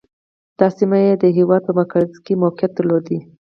دا سیمه چې د هېواد په مرکز کې یې موقعیت درلود.